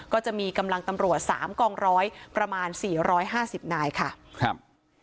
ก็จะมีกำลังตำรวจสามกองร้อยประมาณสี่ร้อยห้าสิบนายค่ะครับ